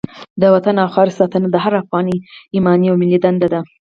د وطن او خاورې ساتنه د هر افغان ایماني او ملي دنده ده.